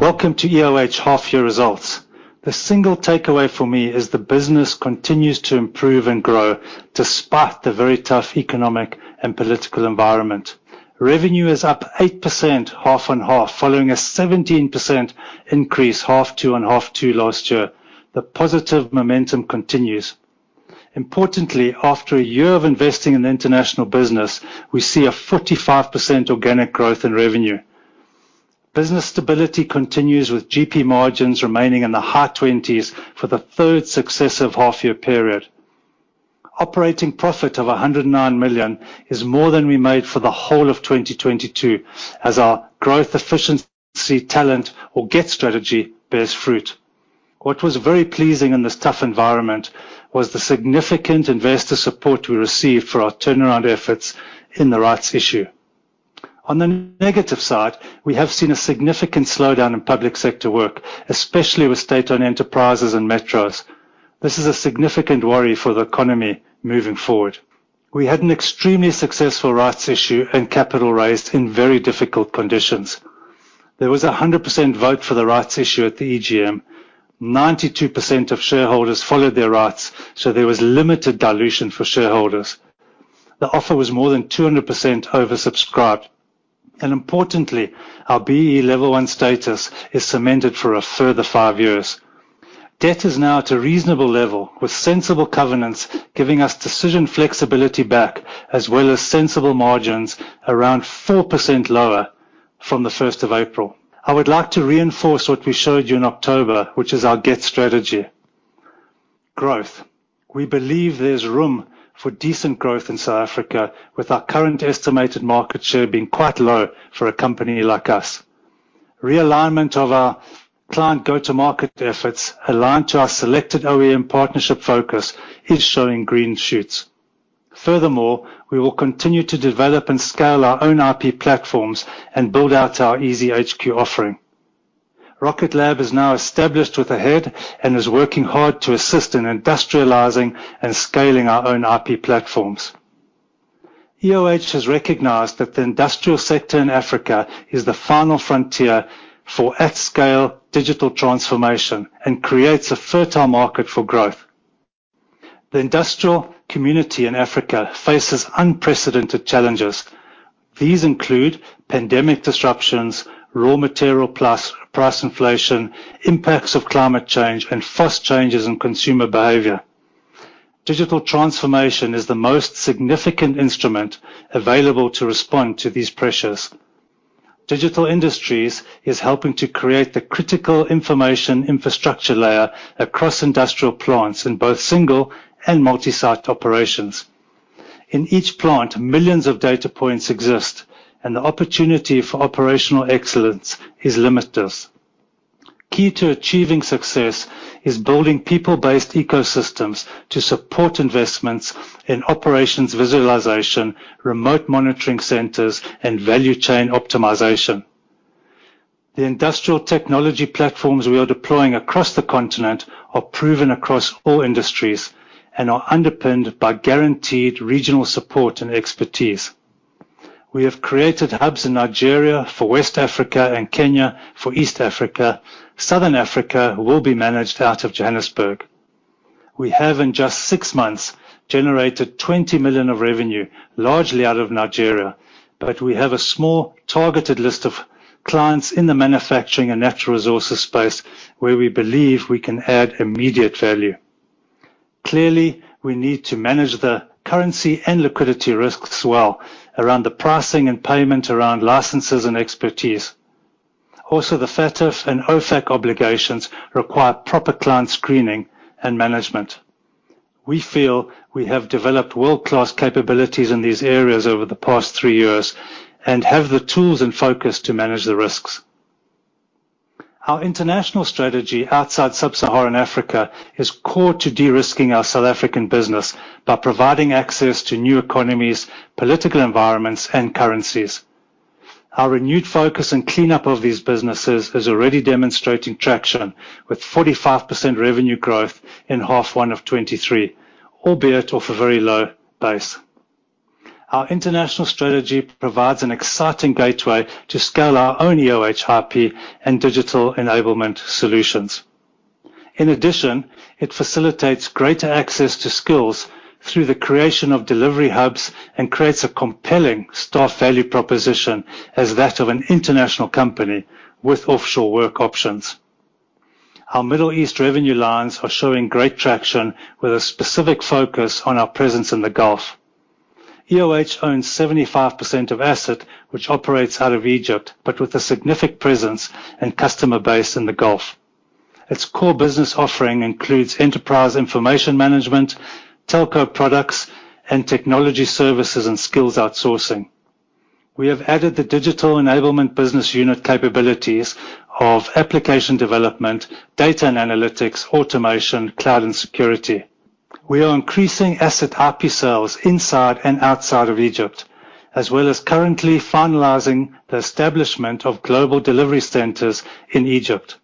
Welcome to EOH half-year results. The single takeaway for me is the business continues to improve and grow despite the very tough economic and political environment. Revenue is up 8% half-on-half following a 17% increase half two on half two last year. The positive momentum continues. Importantly, after a year of investing in the international business, we see a 45% organic growth in revenue. Business stability continues with GP margins remaining in the high 20s for the third successive half-year period. Operating profit of 109 million is more than we made for the whole of 2022 as our growth efficiency talent or GET strategy bears fruit. What was very pleasing in this tough environment was the significant investor support we received for our turnaround efforts in the rights issue. On the negative side, we have seen a significant slowdown in public sector work, especially with state-owned enterprises and metros. This is a significant worry for the economy moving forward. We had an extremely successful rights issue and capital raised in very difficult conditions. There was a 100% vote for the rights issue at the EGM. 92% of shareholders followed their rights, so there was limited dilution for shareholders. The offer was more than 200% oversubscribed, and importantly, our B-BBEE level one status is cemented for a further five years. Debt is now at a reasonable level with sensible covenants giving us decision flexibility back as well as sensible margins around 4% lower from the first of April. I would like to reinforce what we showed you in October, which is our GET strategy. Growth. We believe there's room for decent growth in South Africa with our current estimated market share being quite low for a company like us. Realignment of our client go-to-market efforts aligned to our selected OEM partnership focus is showing green shoots. Furthermore, we will continue to develop and scale our own IP platforms and build out our EasyHQ offering. Rocket Lab is now established with a head and is working hard to assist in industrializing and scaling our own IP platforms. EOH has recognized that the industrial sector in Africa is the final frontier for at-scale digital transformation and creates a fertile market for growth. The industrial community in Africa faces unprecedented challenges. These include pandemic disruptions, raw material plus price inflation, impacts of climate change, and fast changes in consumer behavior. Digital transformation is the most significant instrument available to respond to these pressures. Digital Industries is helping to create the critical information infrastructure layer across industrial plants in both single and multi-site operations. In each plant, millions of data points exist, and the opportunity for operational excellence is limitless. Key to achieving success is building people-based ecosystems to support investments in operations visualization, remote monitoring centers, and value chain optimization. The industrial technology platforms we are deploying across the continent are proven across all industries and are underpinned by guaranteed regional support and expertise. We have created hubs in Nigeria for West Africa and Kenya for East Africa. Southern Africa will be managed out of Johannesburg. We have in just six months generated 20 million of revenue, largely out of Nigeria. We have a small targeted list of clients in the manufacturing and natural resources space where we believe we can add immediate value. Clearly, we need to manage the currency and liquidity risks well around the pricing and payment around licenses and expertise. Also, the FATF and OFAC obligations require proper client screening and management. We feel we have developed world-class capabilities in these areas over the past three years and have the tools and focus to manage the risks. Our international strategy outside sub-Saharan Africa is core to de-risking our South African business by providing access to new economies, political environments, and currencies. Our renewed focus and cleanup of these businesses is already demonstrating traction with 45% revenue growth in half one of 2023, albeit off a very low base. Our international strategy provides an exciting gateway to scale our own EOH IP and digital enablement solutions. In addition, it facilitates greater access to skills through the creation of delivery hubs and creates a compelling staff value proposition as that of an international company with offshore work options. Our Middle East revenue lines are showing great traction with a specific focus on our presence in the Gulf. EOH owns 75% of Asset, which operates out of Egypt, but with a significant presence and customer base in the Gulf. Its core business offering includes enterprise information management, telco products, and technology services and skills outsourcing. We have added the digital enablement business unit capabilities of application development, data and analytics, automation, cloud, and security. We are increasing Asset IP sales inside and outside of Egypt, as well as currently finalizing the establishment of global delivery centers in Egypt.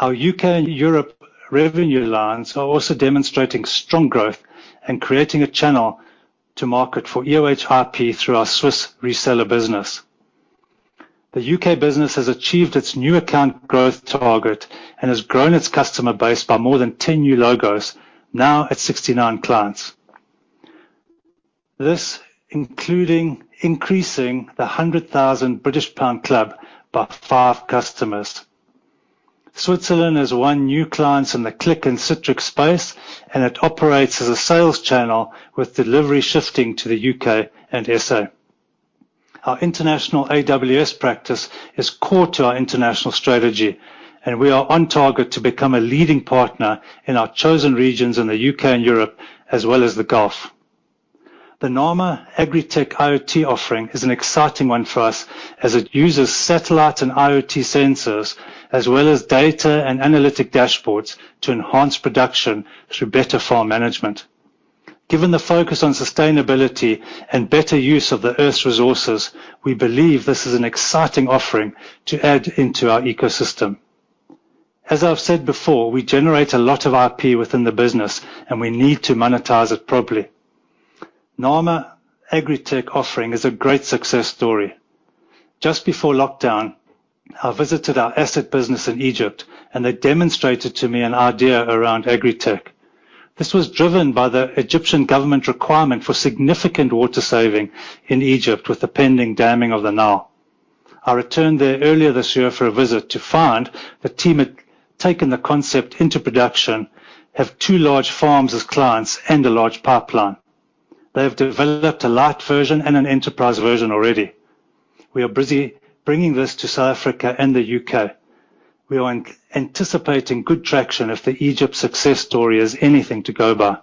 Our U.K. and Europe revenue lines are also demonstrating strong growth and creating a channel to market for EOH IP through our Swiss reseller business. The U.K. business has achieved its new account growth target and has grown its customer base by more than 10 new logos, now at 69 clients. This including increasing the 100,000 British pound club by five customers. Switzerland has won new clients in the Qlik and Citrix space, and it operates as a sales channel with delivery shifting to the U.K. and SA. Our international AWS practice is core to our international strategy, and we are on target to become a leading partner in our chosen regions in the U.K. and Europe as well as the Gulf. The NAMAA offering is an exciting one for us as it uses satellite and IoT sensors as well as data and analytics dashboards to enhance production through better farm management. Given the focus on sustainability and better use of the Earth's resources, we believe this is an exciting offering to add into our ecosystem. As I've said before, we generate a lot of IP within the business, and we need to monetize it properly. NAMAA offering is a great success story. Just before lockdown, I visited our Asset business in Egypt, and they demonstrated to me an idea around agritech. This was driven by the Egyptian government requirement for significant water saving in Egypt with the pending damming of the Nile. I returned there earlier this year for a visit to find the team had taken the concept into production, have two large farms as clients and a large pipeline. They have developed a light version and an enterprise version already. We are busy bringing this to South Africa and the U.K. We are anticipating good traction if the Egypt success story is anything to go by.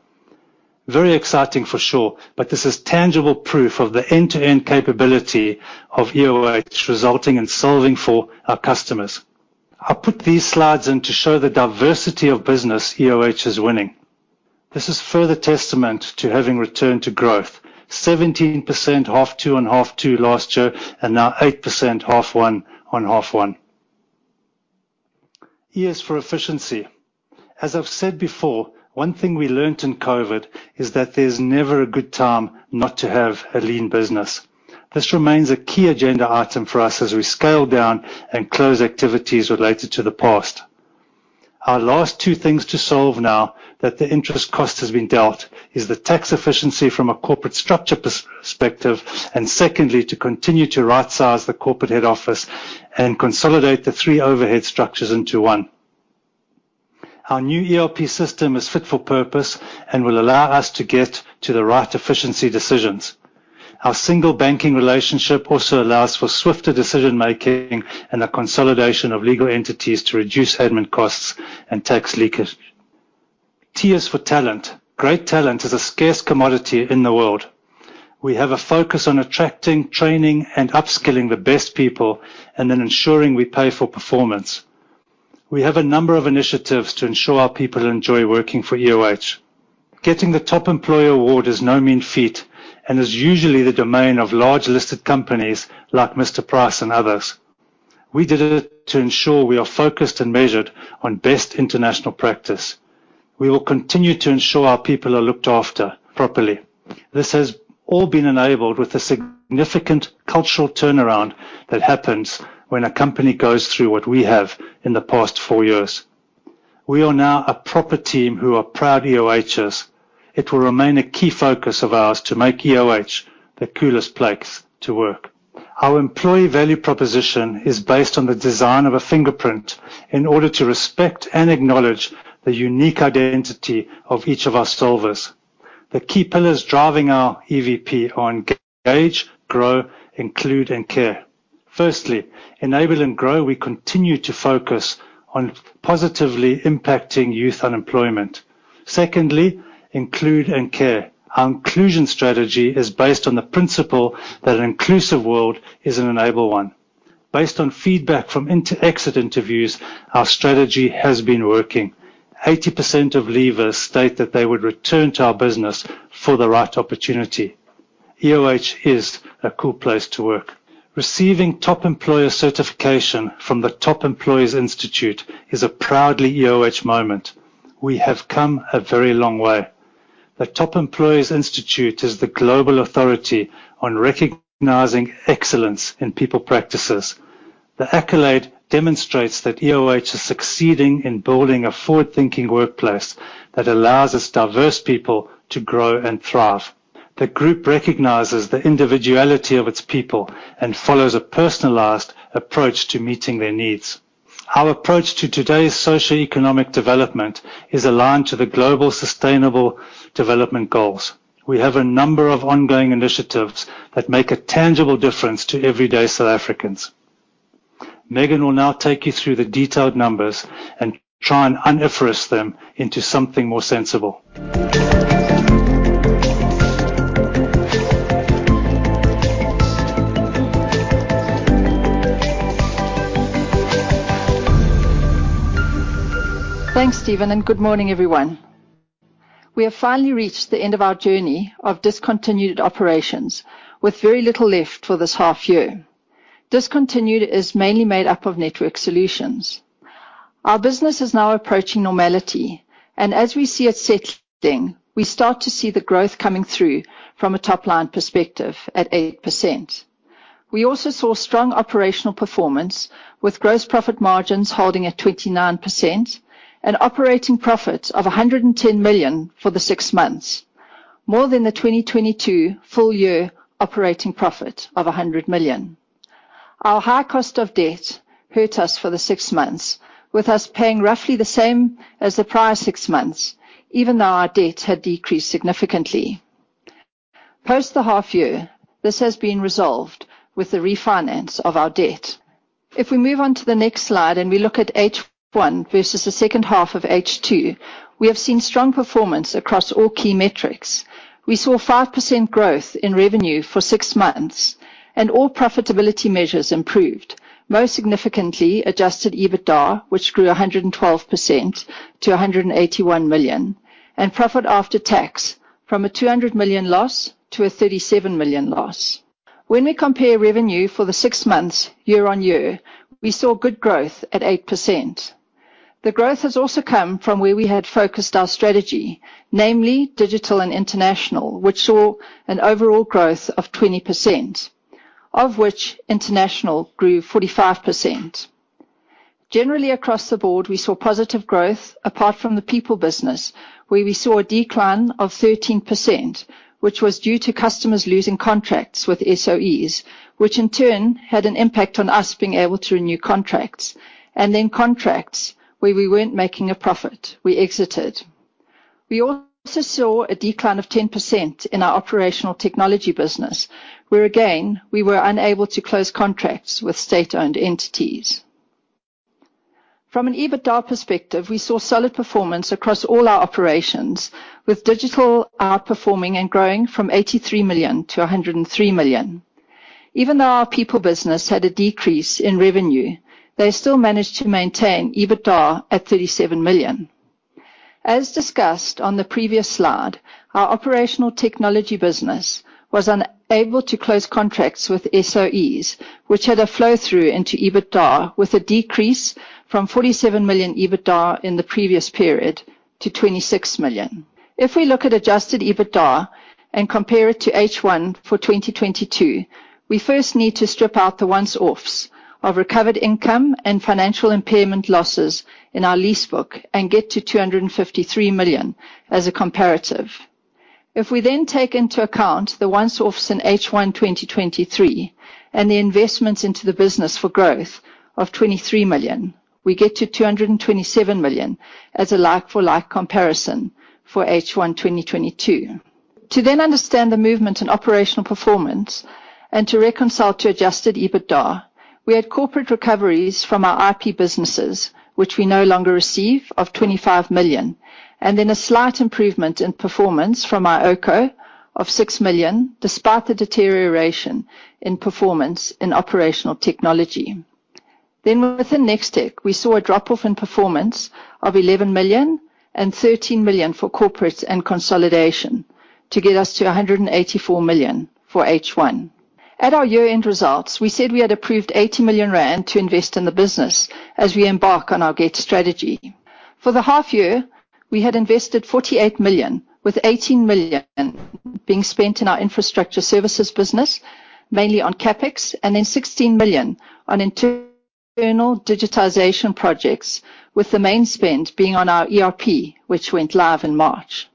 Very exciting for sure, but this is tangible proof of the end-to-end capability of EOH resulting in solving for our customers. I put these slides in to show the diversity of business EOH is winning. This is further testament to having returned to growth. 17% half two and half two last year and now 8% half one on half one. E is for Efficiency. As I've said before, one thing we learned in COVID is that there's never a good time not to have a lean business. This remains a key agenda item for us as we scale down and close activities related to the past. Our last two things to solve now that the interest cost has been dealt is the tax efficiency from a corporate structure perspective, and secondly, to continue to right-size the corporate head office and consolidate the three overhead structures into one. Our new ERP system is fit for purpose and will allow us to get to the right efficiency decisions. Our single banking relationship also allows for swifter decision-making and a consolidation of legal entities to reduce admin costs and tax leakage. T is for Talent. Great talent is a scarce commodity in the world. We have a focus on attracting, training, and upskilling the best people and then ensuring we pay for performance. We have a number of initiatives to ensure our people enjoy working for EOH. Getting the Top Employer award is no mean feat and is usually the domain of large listed companies like Mr Price and others. We did it to ensure we are focused and measured on best international practice. We will continue to ensure our people are looked after properly. This has all been enabled with a significant cultural turnaround that happens when a company goes through what we have in the past four years. We are now a proper team who are proud EOHs. It will remain a key focus of ours to make EOH the coolest place to work. Our employee value proposition is based on the design of a fingerprint in order to respect and acknowledge the unique identity of each of our solvers. The key pillars driving our EVP are engage, grow, include, and care. Firstly, enable and grow. We continue to focus on positively impacting youth unemployment. Secondly, include and care. Our inclusion strategy is based on the principle that an inclusive world is an enabled one. Based on feedback from internal exit interviews, our strategy has been working. 80% of leavers state that they would return to our business for the right opportunity. EOH is a cool place to work. Receiving top employer certification from the Top Employers Institute is a proudly EOH moment. We have come a very long way. The Top Employers Institute is the global authority on recognizing excellence in people practices. The accolade demonstrates that EOH is succeeding in building a forward-thinking workplace that allows its diverse people to grow and thrive. The group recognizes the individuality of its people and follows a personalized approach to meeting their needs. Our approach to today's socioeconomic development is aligned to the global sustainable development goals. We have a number of ongoing initiatives that make a tangible difference to everyday South Africans. Megan will now take you through the detailed numbers and try and un-IFRS them into something more sensible. Thanks, Stephen, and good morning, everyone. We have finally reached the end of our journey of discontinued operations with very little left for this half year. Discontinued is mainly made up of Network Solutions. Our business is now approaching normality. As we see it settling, we start to see the growth coming through from a top-line perspective at 8%. We also saw strong operational performance with gross profit margins holding at 29% and operating profit of 110 million for the six months, more than the 2022 full-year operating profit of 100 million. Our high cost of debt hurt us for the six months, with us paying roughly the same as the prior six months, even though our debt had decreased significantly. Post the half year, this has been resolved with the refinance of our debt. If we move on to the next slide and we look at H1 versus the second half of H2, we have seen strong performance across all key metrics. We saw 5% growth in revenue for six months and all profitability measures improved. Most significantly, adjusted EBITDA, which grew 112% to 181 million, and profit after tax from a 200 million loss to a 37 million loss. When we compare revenue for the six months year-on-year, we saw good growth at 8%. The growth has also come from where we had focused our strategy, namely digital and international, which saw an overall growth of 20%, of which international grew 45%. Generally, across the board, we saw positive growth apart from the people business, where we saw a decline of 13%, which was due to customers losing contracts with SOEs, which in turn had an impact on us being able to renew contracts. Contracts where we weren't making a profit, we exited. We also saw a decline of 10% in our operational technology business, where again, we were unable to close contracts with state-owned entities. From an EBITDA perspective, we saw solid performance across all our operations, with digital outperforming and growing from 83 million to 103 million. Even though our people business had a decrease in revenue, they still managed to maintain EBITDA at 37 million. As discussed on the previous slide, our operational technology business was unable to close contracts with SOEs, which had a flow through into EBITDA with a decrease from 47 million EBITDA in the previous period to 26 million. If we look at adjusted EBITDA and compare it to H1 for 2022, we first need to strip out the one-offs of recovered income and financial impairment losses in our lease book and get to 253 million as a comparative. If we then take into account the one-offs in H1 2023 and the investments into the business for growth of 23 million, we get to 227 million as a like-for-like comparison for H1 2022. To understand the movement in operational performance and to reconcile to adjusted EBITDA, we had corporate recoveries from our IP businesses, which we no longer receive of 25 million, and a slight improvement in performance from our iOCO of 6 million, despite the deterioration in performance in operational technology. Within NEXTEC, we saw a drop off in performance of 11 million and 13 million for corporate and consolidation to get us to 184 million for H1. At our year-end results, we said we had approved 80 million rand to invest in the business as we embark on our GET strategy. For the half year, we had invested 48 million, with 18 million being spent in our infrastructure services business, mainly on CapEx, and 16 million on internal digitization projects, with the main spend being on our ERP, which went live in March.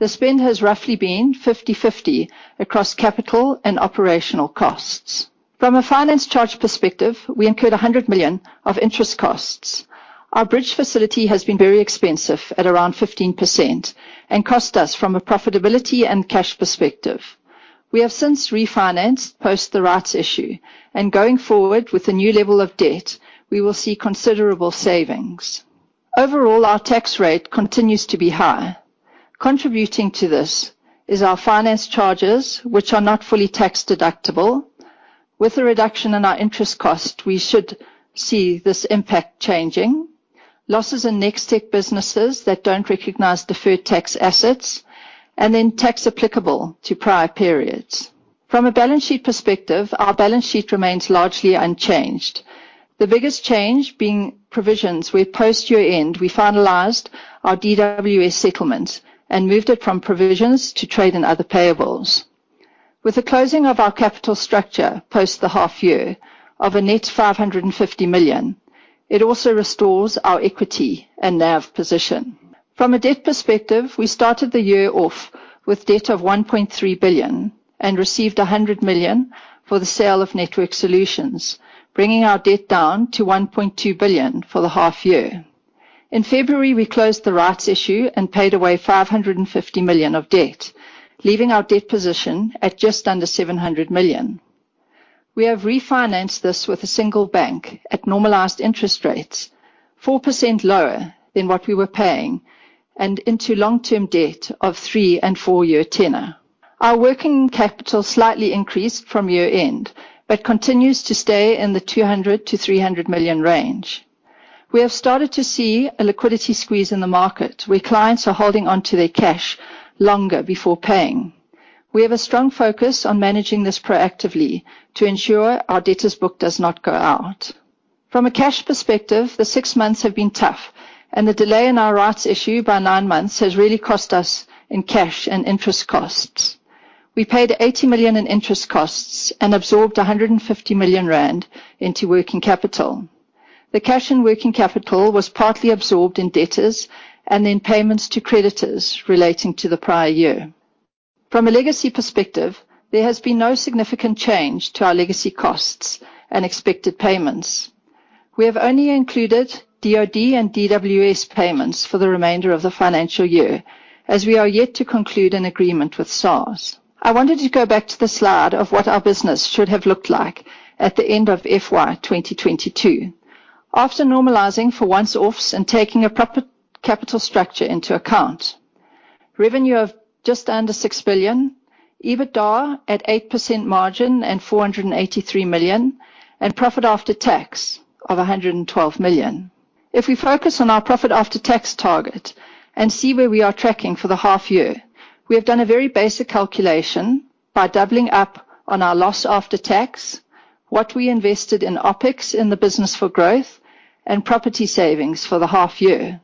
The spend has roughly been 50/50 across capital and operational costs. From a finance charge perspective, we incurred 100 million of interest costs. Our bridge facility has been very expensive at around 15% and cost us from a profitability and cash perspective. We have since refinanced post the rights issue and going forward with a new level of debt, we will see considerable savings. Overall, our tax rate continues to be high. Contributing to this is our finance charges, which are not fully tax-deductible. With a reduction in our interest cost, we should see this impact changing, losses in NEXTEC businesses that don't recognize deferred tax assets, and then tax applicable to prior periods. From a balance sheet perspective, our balance sheet remains largely unchanged. The biggest change being provisions where post year-end, we finalized our DWS settlement and moved it from provisions to trade and other payables. With the closing of our capital structure post the half year of net 550 million, it also restores our equity and NAV position. From a debt perspective, we started the year off with debt of 1.3 billion and received 100 million for the sale of EOH Network Solutions, bringing our debt down to 1.2 billion for the half year. In February, we closed the rights issue and paid away 550 million of debt, leaving our debt position at just under 700 million. We have refinanced this with a single bank at normalized interest rates, 4% lower than what we were paying, and into long-term debt of three and four year tenor. Our working capital slightly increased from year-end, but continues to stay in the 200 million-300 million range. We have started to see a liquidity squeeze in the market where clients are holding onto their cash longer before paying. We have a strong focus on managing this proactively to ensure our debtors' book does not go out. From a cash perspective, the six months have been tough, and the delay in our rights issue by nine months has really cost us in cash and interest costs. We paid 80 million in interest costs and absorbed 150 million rand into working capital. The cash in working capital was partly absorbed in debtors and in payments to creditors relating to the prior year. From a legacy perspective, there has been no significant change to our legacy costs and expected payments. We have only included DoD and DWS payments for the remainder of the financial year, as we are yet to conclude an agreement with SARS. I wanted to go back to the slide of what our business should have looked like at the end of FY 2022. After normalizing for one-offs and taking a proper capital structure into account, revenue of just under 6 billion, EBITDA at 8% margin and 483 million, and profit after tax of 112 million. If we focus on our profit after tax target and see where we are tracking for the half year, we have done a very basic calculation by doubling up on our loss after tax, what we invested in OpEx in the business for growth, and property savings for the half year.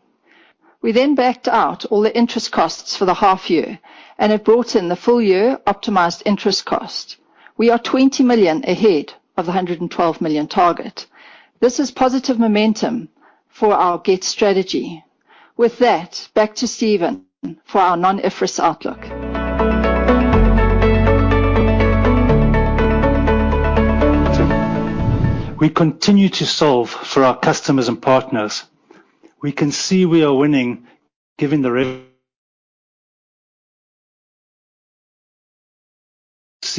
We backed out all the interest costs for the half year and have brought in the full year optimized interest cost. We are 20 million ahead of the 112 million target. This is positive momentum for our GET strategy. With that, back to Stephen for our non-IFRS outlook. We continue to solve for our customers and partners. We can see we are winning, given that we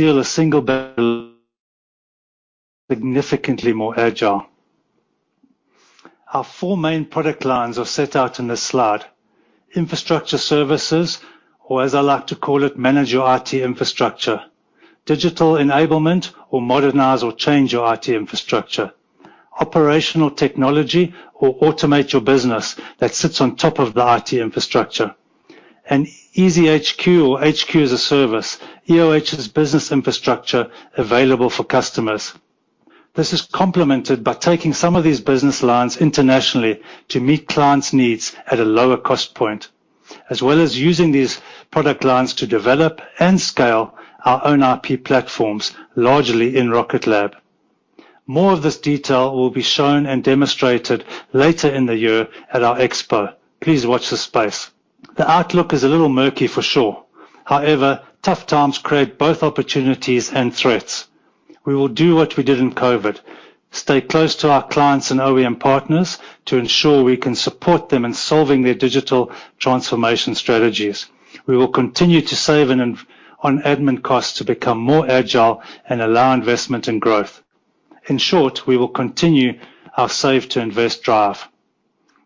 are significantly more agile. Our four main product lines are set out in this slide. Infrastructure services, or as I like to call it, manage your IT infrastructure. Digital enablement, or modernize or change your IT infrastructure. Operational technology, or automate your business that sits on top of the IT infrastructure. EasyHQ or HQ as a service, EOH's business infrastructure available for customers. This is complemented by taking some of these business lines internationally to meet clients' needs at a lower cost point, as well as using these product lines to develop and scale our own IP platforms, largely in Rocket Lab. More of this detail will be shown and demonstrated later in the year at our expo. Please watch this space. The outlook is a little murky for sure. However, tough times create both opportunities and threats. We will do what we did in COVID, stay close to our clients and OEM partners to ensure we can support them in solving their digital transformation strategies. We will continue to save on admin costs to become more agile and allow investment and growth. In short, we will continue our save to invest drive.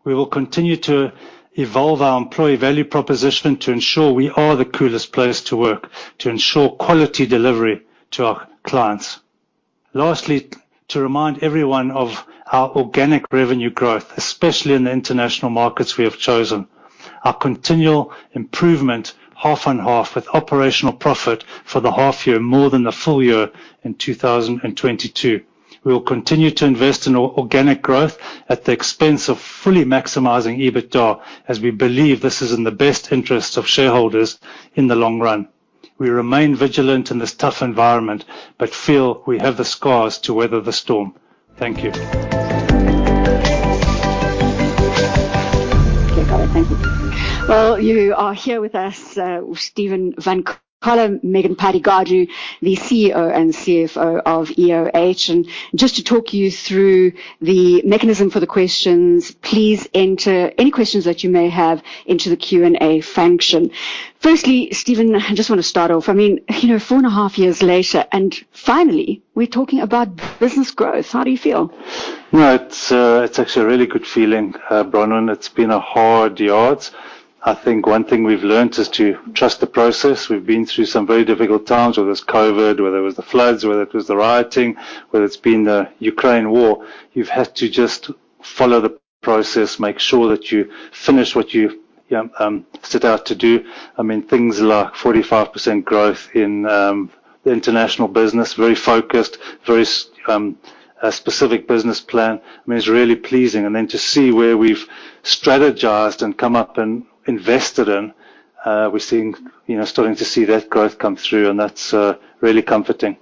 We will continue to evolve our employee value proposition to ensure we are the coolest place to work, to ensure quality delivery to our clients. Lastly, to remind everyone of our organic revenue growth, especially in the international markets we have chosen. Our continual improvement half ahead of operational profit for the half year, more than the full year in 2022. We will continue to invest in organic growth at the expense of fully maximizing EBITDA, as we believe this is in the best interest of shareholders in the long run. We remain vigilant in this tough environment, but feel we have the scars to weather the storm. Thank you. Okay, got it. Thank you. Well, you are here with us with Stephen Van Coller, Megan Pydigadu, the CEO and CFO of EOH. Just to talk you through the mechanism for the questions, please enter any questions that you may have into the Q&A function. Firstly, Stephen, I just want to start off. I mean, you know, 4.5 years later, and finally, we're talking about business growth. How do you feel? No, it's actually a really good feeling, Bronwyn. It's been hard yards. I think one thing we've learned is to trust the process. We've been through some very difficult times, whether it's COVID, whether it was the floods, whether it was the rioting, whether it's been the Ukraine war. You've had to just follow the process, make sure that you finish what you've set out to do. I mean, things like 45% growth in the international business, very focused, very specific business plan. I mean, it's really pleasing. To see where we've strategized and come up and invested in, we're starting to see that growth come through, and that's really comforting.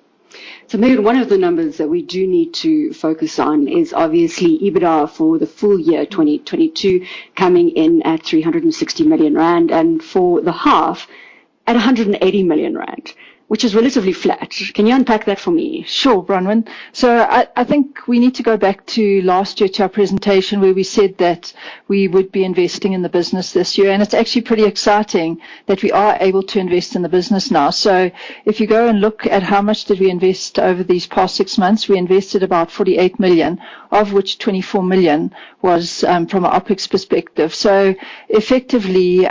Megan, one of the numbers that we do need to focus on is obviously EBITDA for the full year 2022 coming in at 360 million rand, and for the half at 180 million rand, which is relatively flat. Can you unpack that for me? Sure, Bronwyn. I think we need to go back to last year to our presentation where we said that we would be investing in the business this year, and it's actually pretty exciting that we are able to invest in the business now. If you go and look at how much did we invest over these past six months, we invested about 48 million, of which 24 million was from an OpEx perspective. Effectively,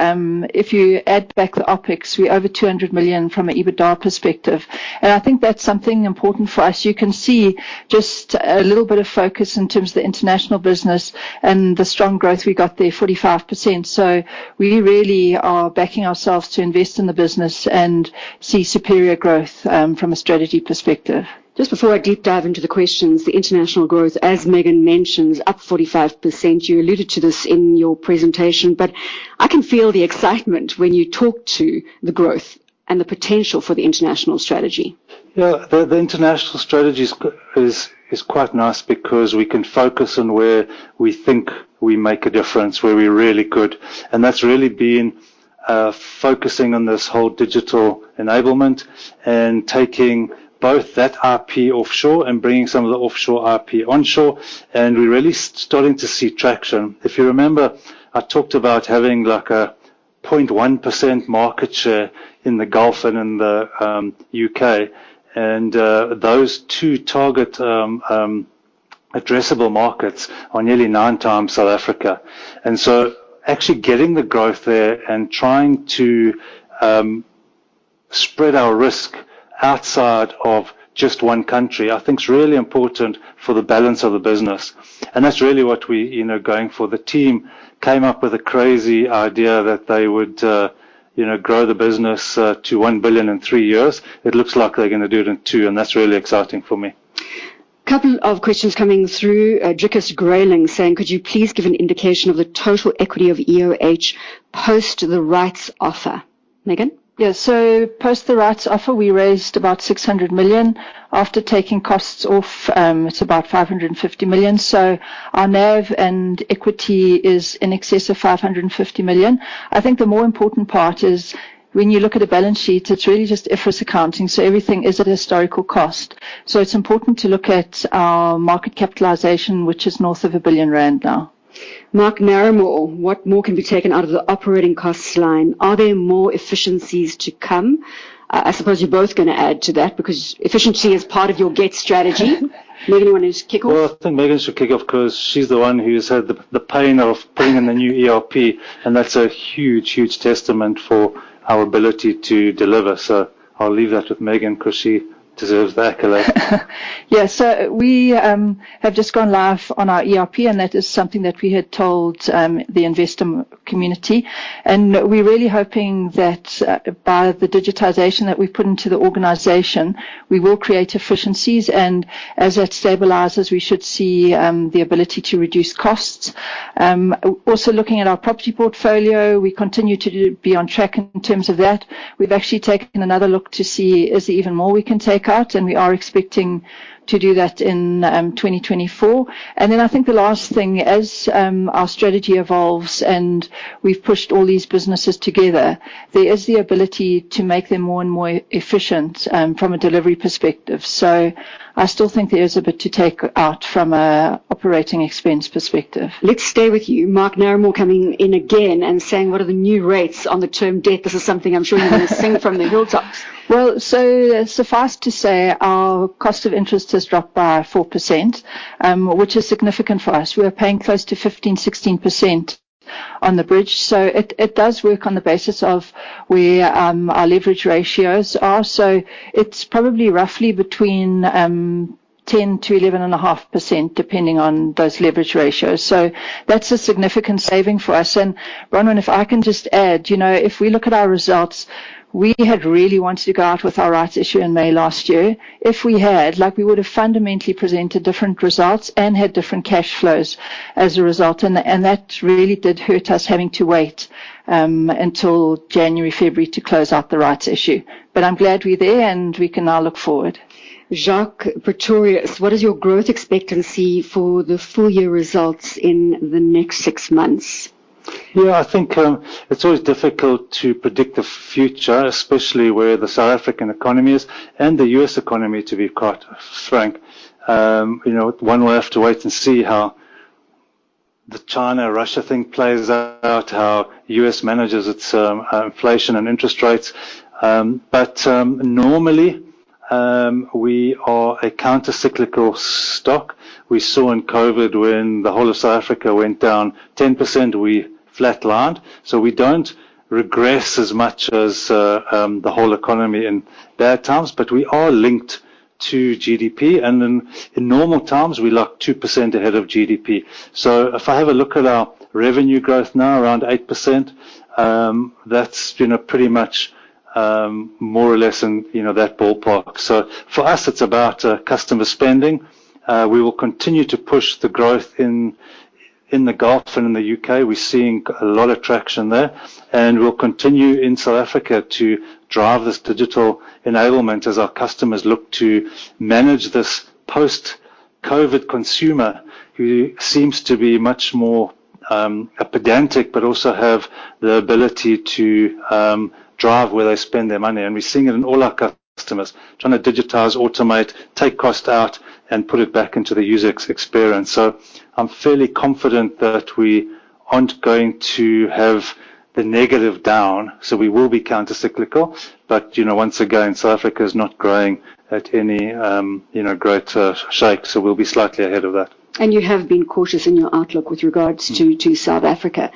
if you add back the OpEx, we're over 200 million from an EBITDA perspective. I think that's something important for us. You can see just a little bit of focus in terms of the international business and the strong growth we got there, 45%. We really are backing ourselves to invest in the business and see superior growth from a strategy perspective. Just before I deep dive into the questions, the international growth, as Megan mentioned, is up 45%. You alluded to this in your presentation, but I can feel the excitement when you talk to the growth and the potential for the international strategy. Yeah. The international strategy is quite nice because we can focus on where we think we make a difference, where we really could. That's really been focusing on this whole digital enablement and taking both that IP offshore and bringing some of the offshore IP onshore, and we're really starting to see traction. If you remember, I talked about having like a 0.1% market share in the Gulf and in the U.K., and those two target addressable markets are nearly nine times South Africa. Actually getting the growth there and trying to spread our risk outside of just one country, I think is really important for the balance of the business. That's really what we, you know, going for. The team came up with a crazy idea that they would grow the business to 1 billion in three years. It looks like they're gonna do it in two, and that's really exciting for me. Couple of questions coming through. Drikus Greyling saying, "Could you please give an indication of the total equity of EOH post the rights offer?" Megan? Yeah. Post the rights offer, we raised about 600 million. After taking costs off, it's about 550 million. Our NAV and equity is in excess of 550 million. I think the more important part is when you look at a balance sheet, it's really just IFRS accounting, so everything is at historical cost. It's important to look at our market capitalization, which is north of 1 billion rand now. Mark Narramore, "What more can be taken out of the operating costs line? Are there more efficiencies to come? I suppose you're both gonna add to that because efficiency is part of your GET strategy. Megan, you want to just kick off?" Well, I think Megan should kick off 'cause she's the one who's had the pain of bringing the new ERP, and that's a huge, huge testament for our ability to deliver. I'll leave that with Megan 'cause she deserves the accolade. Yeah. We have just gone live on our ERP, and that is something that we had told the investor community. We're really hoping that by the digitization that we've put into the organization, we will create efficiencies, and as that stabilizes, we should see the ability to reduce costs. Also looking at our property portfolio, we continue to be on track in terms of that. We've actually taken another look to see is there even more we can take out, and we are expecting to do that in 2024. I think the last thing, as our strategy evolves and we've pushed all these businesses together, there is the ability to make them more and more efficient from a delivery perspective. I still think there is a bit to take out from a operating expense perspective. Let's stay with you. Mark Narramore coming in again and saying, "What are the new rates on the term debt?" This is something I'm sure you're gonna sing from the hilltops. Well, suffice to say, our cost of interest has dropped by 4%, which is significant for us. We were paying close to 15%-16% on the bridge. It does work on the basis of where our leverage ratios are. It's probably roughly between 10% and 11.5%, depending on those leverage ratios. That's a significant saving for us. Bronwyn, if I can just add, you know, if we look at our results, we had really wanted to go out with our rights issue in May last year. If we had, like, we would have fundamentally presented different results and had different cash flows as a result. That really did hurt us, having to wait until January, February to close out the rights issue. I'm glad we're there, and we can now look forward. Jacques Pretorius: "What is your growth expectancy for the full year results in the next six months? Yeah. I think it's always difficult to predict the future, especially where the South African economy is, and the U.S. economy, to be quite frank. You know, one will have to wait and see how the China-Russia thing plays out, how U.S. manages its inflation and interest rates. Normally, we are a counter-cyclical stock. We saw in COVID, when the whole of South Africa went down 10%, we flatlined. We don't regress as much as the whole economy in bad times, but we are linked to GDP. In normal times, we lag 2% ahead of GDP. If I have a look at our revenue growth now, around 8%, that's you know pretty much more or less in you know that ballpark. For us, it's about customer spending. We will continue to push the growth in the Gulf and in the U.K. We're seeing a lot of traction there. We'll continue in South Africa to drive this digital enablement as our customers look to manage this post-COVID consumer who seems to be much more pedantic but also have the ability to drive where they spend their money. We're seeing it in all our customers trying to digitize, automate, take cost out and put it back into the user experience. I'm fairly confident that we aren't going to have the negative down, so we will be countercyclical. You know, once again, South Africa is not growing at any great shake, so we'll be slightly ahead of that. You have been cautious in your outlook with regards to South Africa.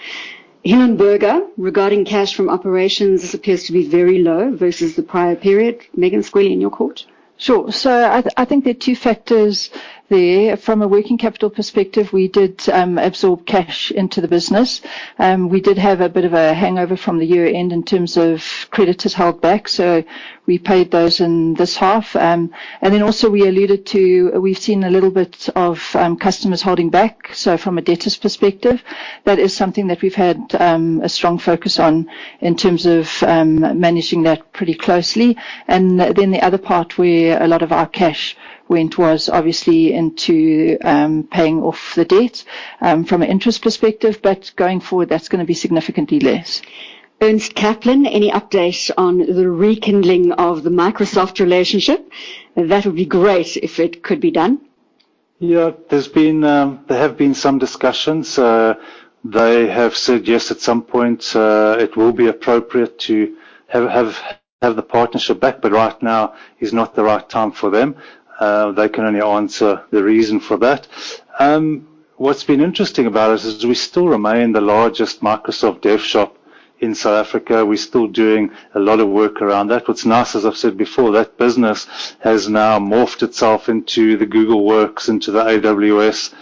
Helen Burger, regarding cash from operations, this appears to be very low versus the prior period. Megan, squarely in your court. Sure. I think there are two factors there. From a working capital perspective, we did absorb cash into the business. We did have a bit of a hangover from the year-end in terms of creditors held back. We paid those in this half. And then also we alluded to, we've seen a little bit of customers holding back. From a debtors perspective, that is something that we've had a strong focus on in terms of managing that pretty closely. The other part where a lot of our cash went was obviously into paying off the debt from an interest perspective. Going forward, that's gonna be significantly less. Ernst Kaplan, any updates on the rekindling of the Microsoft relationship? That would be great if it could be done. Yeah. There have been some discussions. They have said, yes, at some point, it will be appropriate to have the partnership back, but right now is not the right time for them. They can only answer the reason for that. What's been interesting about it is we still remain the largest Microsoft dev shop in South Africa. We're still doing a lot of work around that. What's nice, as I've said before, that business has now morphed itself into the Google Workspace, into the AWS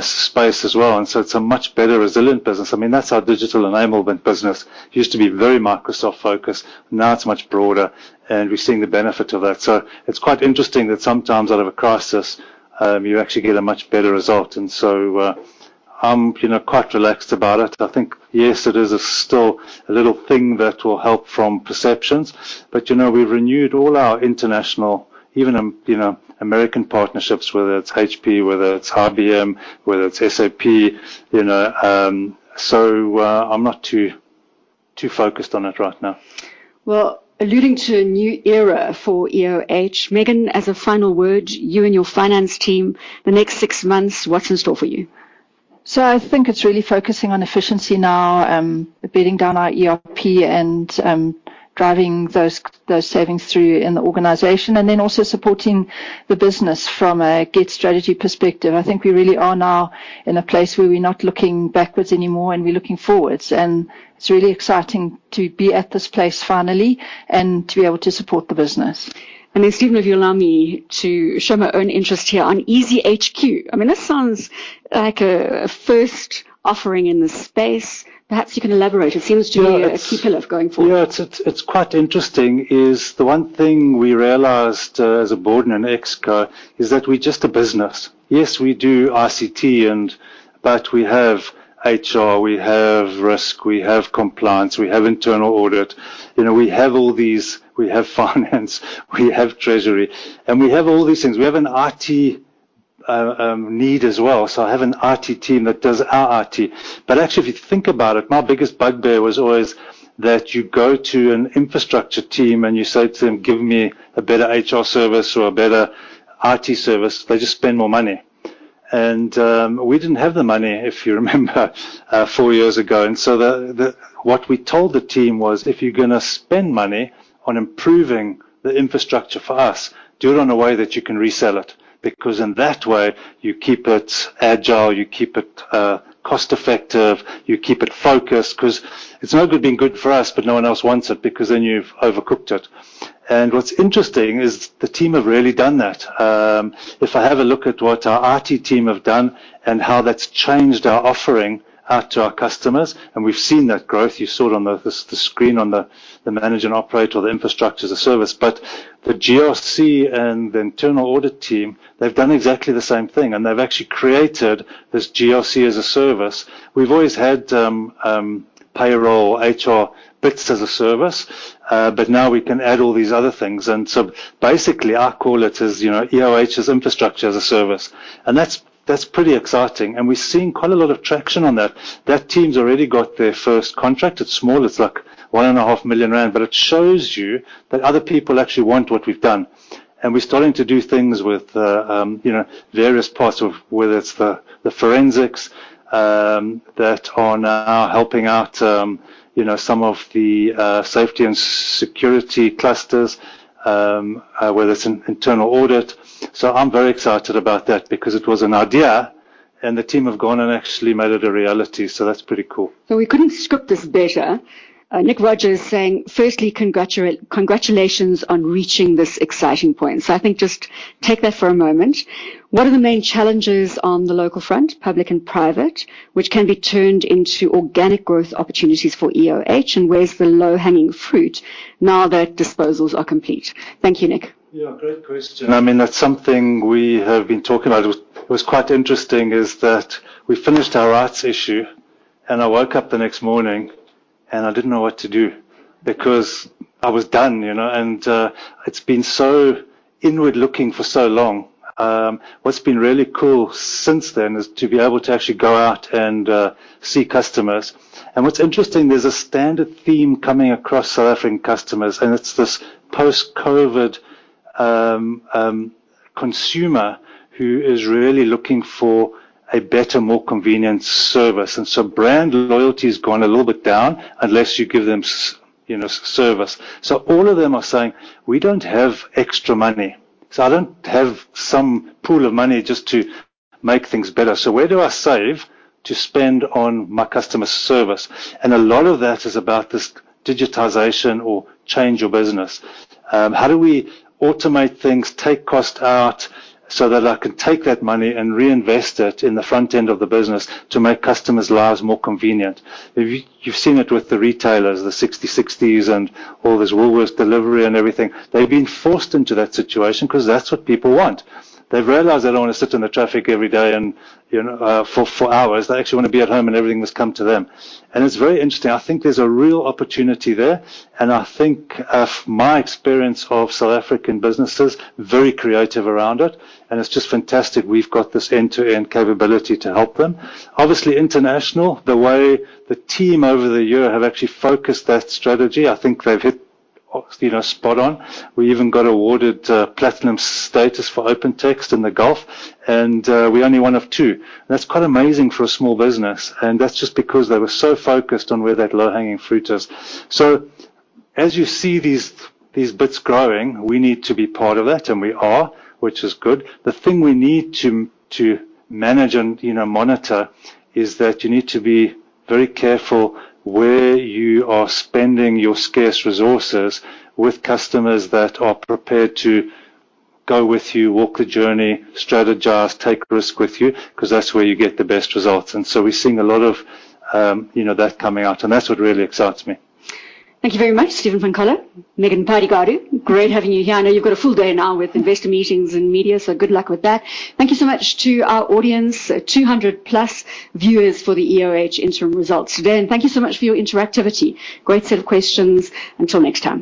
space as well, and so it's a much better resilient business. I mean, that's our digital enablement business. Used to be very Microsoft-focused. Now it's much broader, and we're seeing the benefit of that. It's quite interesting that sometimes out of a crisis, you actually get a much better result. I'm, you know, quite relaxed about it. I think, yes, it is still a little thing that will help from perceptions, but, you know, we've renewed all our international, even, you know, American partnerships, whether it's HP, whether it's IBM, whether it's SAP, you know. So, I'm not too focused on it right now. Well, alluding to a new era for EOH. Megan, as a final word, you and your finance team, the next six months, what's in store for you? I think it's really focusing on efficiency now, beating down our ERP and, driving those savings through in the organization, and then also supporting the business from a GET strategy perspective. I think we really are now in a place where we're not looking backwards anymore, and we're looking forwards. It's really exciting to be at this place finally and to be able to support the business. Stephen, if you allow me to show my own interest here on EasyHQ. I mean, this sounds like a first offering in this space. Perhaps you can elaborate. It seems to be a key pillar going forward. Yeah. It's quite interesting is the one thing we realized as a board and an exco is that we're just a business. Yes, we do ICT but we have HR, we have risk, we have compliance, we have internal audit. You know, we have all these. We have finance, we have treasury, and we have all these things. We have an IT need as well. I have an IT team that does our IT. Actually, if you think about it, my biggest bugbear was always that you go to an infrastructure team and you say to them, "Give me a better HR service or a better IT service." They just spend more money. We didn't have the money, if you remember, four years ago. What we told the team was, "If you're gonna spend money on improving the infrastructure for us, do it in a way that you can resell it." Because in that way you keep it agile, you keep it cost-effective, you keep it focused 'cause it's no good being good for us, but no one else wants it because then you've overcooked it. What's interesting is the team have really done that. If I have a look at what our IT team have done and how that's changed our offering out to our customers, and we've seen that growth, you saw it on the screen on the manage and operate or the infrastructure as a service. But the GRC and the internal audit team, they've done exactly the same thing, and they've actually created this GRC as a service. We've always had payroll, HR bits as a service, but now we can add all these other things. Basically I call it as, you know, EOH as infrastructure as a service. That's pretty exciting. We're seeing quite a lot of traction on that. That team's already got their first contract. It's small, it's like 1.5 million rand, but it shows you that other people actually want what we've done. We're starting to do things with, you know, various parts of whether it's the forensics that are now helping out, you know, some of the safety and security clusters, whether it's in internal audit. I'm very excited about that because it was an idea, and the team have gone and actually made it a reality. That's pretty cool. We couldn't script this better. Nick Rogers saying, "Firstly, congratulations on reaching this exciting point." I think just take that for a moment. What are the main challenges on the local front, public and private, which can be turned into organic growth opportunities for EOH, and where's the low-hanging fruit now that disposals are complete? Thank you, Nick. Yeah, great question. I mean, that's something we have been talking about. It was quite interesting that we finished our rights issue. I woke up the next morning, and I didn't know what to do because I was done, you know. It's been so inward-looking for so long. What's been really cool since then is to be able to actually go out and see customers. What's interesting, there's a standard theme coming across South African customers, and it's this post-COVID consumer who is really looking for a better, more convenient service. Brand loyalty has gone a little bit down unless you give them, you know, service. All of them are saying, "We don't have extra money." I don't have some pool of money just to make things better. Where do I save to spend on my customer service? A lot of that is about this digitization or change your business. How do we automate things, take cost out, so that I can take that money and reinvest it in the front end of the business to make customers' lives more convenient? You've seen it with the retailers, the Sixty60 and all this Woolworths delivery and everything. They've been forced into that situation 'cause that's what people want. They've realized they don't wanna sit in the traffic every day and, you know, for hours. They actually wanna be at home, and everything must come to them. It's very interesting. I think there's a real opportunity there, and I think of my experience of South African businesses, very creative around it, and it's just fantastic we've got this end-to-end capability to help them. Obviously, international, the way the team over the year have actually focused that strategy, I think they've hit spot on. We even got awarded platinum status for OpenText in the Gulf, and we're only one of two. That's quite amazing for a small business, and that's just because they were so focused on where that low-hanging fruit is. As you see these bits growing, we need to be part of that, and we are, which is good. The thing we need to manage and, you know, monitor is that you need to be very careful where you are spending your scarce resources with customers that are prepared to go with you, walk the journey, strategize, take risk with you, 'cause that's where you get the best results. We're seeing a lot of, you know, that coming out, and that's what really excites me. Thank you very much, Stephen Van Coller, Megan Pydigadu. Great having you here. I know you've got a full day now with investor meetings and media, so good luck with that. Thank you so much to our audience. 200+ viewers for the EOH interim results today. Thank you so much for your interactivity. Great set of questions. Until next time.